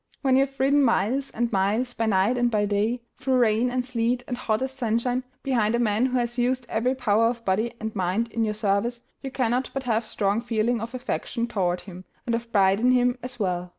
When you have ridden miles and miles, by night and by day, through rain and sleet and hottest sunshine, behind a man who has used every power of body and mind in your service, you cannot but have a strong feeling of affection toward him, and of pride in him as well.